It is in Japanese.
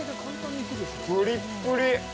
プリップリ！